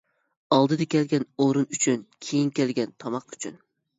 ئالدىدا كەلگەن ئورۇن ئۈچۈن، كېيىن كەلگەن تاماق ئۈچۈن.